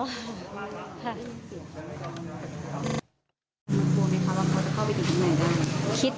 มันกลัวไหมคะว่าเขาจะเข้าไปอยู่ที่ไหนได้